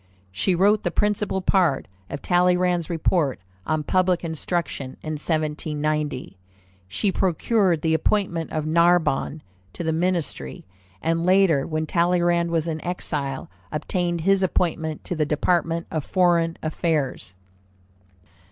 She wrote the principal part of Talleyrand's report on Public Instruction in 1790. She procured the appointment of Narbonne to the ministry; and later, when Talleyrand was in exile, obtained his appointment to the Department of Foreign Affairs.